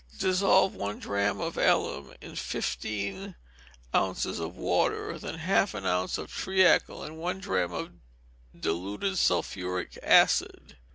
Dissolve one drachm of alum in fifteen ounces of water, then add half an ounce of treacle, and one drachm of diluted sulphuric acid.